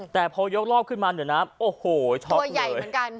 แต่พอยกรอบขึ้นมาเหนือน้ำโอ้โหช็อกตัวใหญ่เหมือนกัน